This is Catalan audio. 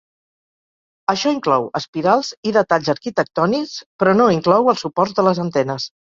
Això inclou espirals i detalls arquitectònics, però no inclou els suports de les antenes.